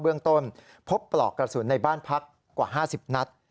เบื้องต้นพบปลอกกระสุนในบ้านพักกว่า๕๐นัด